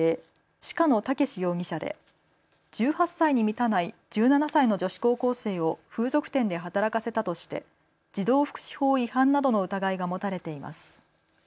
鹿野健容疑者で１８歳に満たない１７歳の女子高校生を風俗店で働かせたとして児童福祉法違反などの疑いが持たれています。